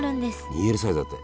２Ｌサイズだって。